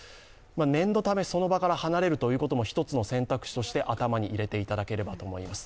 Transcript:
念のためその場から離れるということも一つの選択肢として頭に入れていただければと思います。